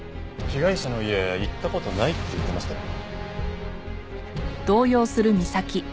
被害者の家行った事ないって言ってましたよね？